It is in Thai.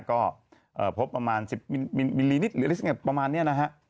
ก็พบประมาณ๑๐มิลลินิตรหรืออะไรสักอย่างประมาณเนี่ยนะฮะ